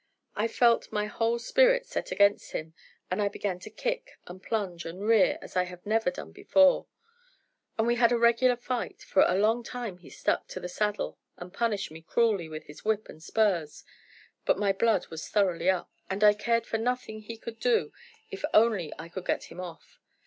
I felt my whole spirit set against him, and I began to kick, and plunge, and rear as I had never done before, and we had a regular fight; for a long time he stuck, to the saddle and punished me cruelly with his whip and spurs, but my blood was thoroughly up, and I cared for nothing he could do if only I could get him off.